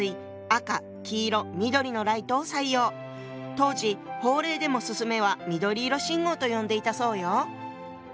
当時法令でも「進め」は「緑色信号」と呼んでいたそうよ。